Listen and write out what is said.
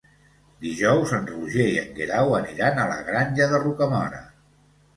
Dijous en Roger i en Guerau aniran a la Granja de Rocamora.